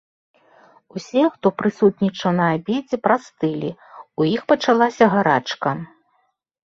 Усе, хто прысутнічаў на абедзе прастылі, у іх пачалася гарачка.